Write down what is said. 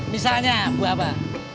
misalnya buah apa